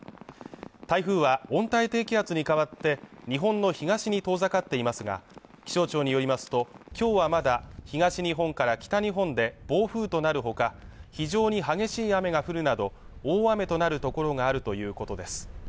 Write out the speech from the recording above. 台風は温帯低気圧に変わって日本の東に遠ざかっていますが気象庁によりますときょうはまだ東日本から北日本で暴風となるほか非常に激しい雨が降るなど大雨となる所があるということです